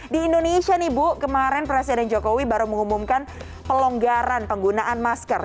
di indonesia nih bu kemarin presiden jokowi baru mengumumkan pelonggaran penggunaan masker